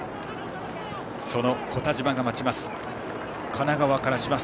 その古田島が待ちます。